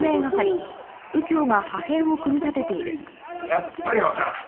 やっぱりわからん！